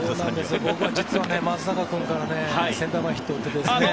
僕は実は松坂君からセンター前ヒットを打ってるんですね。